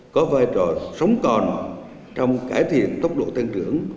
có vai trò sống còn trong cải thiện tốc độ tăng trưởng